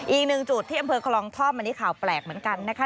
อีกหนึ่งจุดที่อำเภอคลองท่อมอันนี้ข่าวแปลกเหมือนกันนะคะ